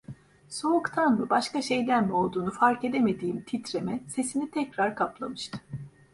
Soğuktan mı, başka şeyden mi olduğunu fark edemediğim titreme, sesini tekrar kaplamıştı.